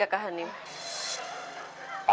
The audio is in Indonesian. aguresnya doang kepala